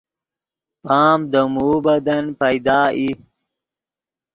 پام دے موؤ بدن پیدا ای